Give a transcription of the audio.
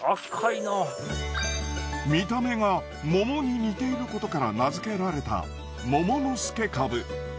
見た目が桃に似ていることから名づけられたもものすけかぶ。